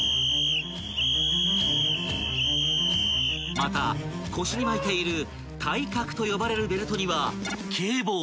［また腰に巻いている帯革と呼ばれるベルトには］